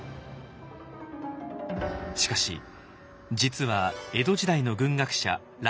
しかし実は江戸時代の軍学者頼